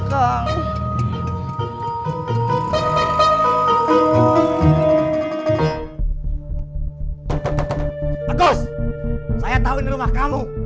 bagus saya tahu ini rumah kamu